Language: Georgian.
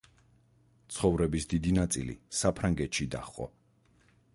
ცხოვრების დიდი ნაწილი საფრანგეთში დაჰყო.